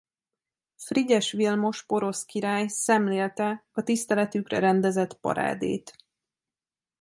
Frigyes Vilmos porosz király szemlélte a tiszteletükre rendezett parádét.